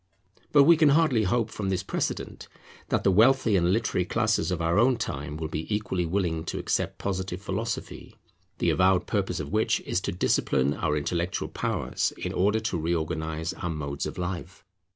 But we can hardly hope from this precedent that the wealthy and literary classes of our own time will be equally willing to accept Positive philosophy; the avowed purpose of which is to discipline our intellectual powers, in order to reorganize our modes of life.